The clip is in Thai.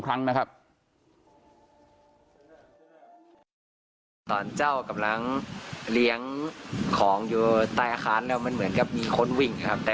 ครั้ง๒ครั้งนะครับ